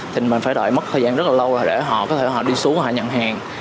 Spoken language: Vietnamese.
thì mình phải đợi mất thời gian rất là lâu để họ đi xuống và nhận hàng